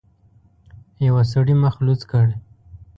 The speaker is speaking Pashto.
يوه سړي مخ لوڅ کړ.